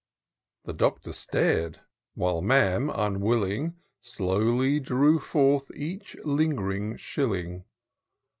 The Doctor star'd— while Ma'am unwilling, Slowly drew forth each ling'ring shilling.